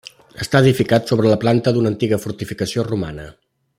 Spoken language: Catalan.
Està edificat sobre la planta d'una antiga fortificació romana.